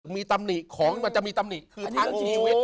มีตำหนิของมันจะมีตำหนิคือทั้งชีวิต